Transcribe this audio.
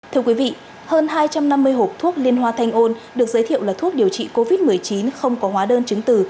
thưa quý vị hơn hai trăm năm mươi hộp thuốc liên hoa thanh ôn được giới thiệu là thuốc điều trị covid một mươi chín không có hóa đơn chứng từ